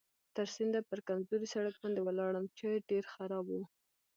تر سینده پر کمزوري سړک باندې ولاړم چې ډېر خراب و.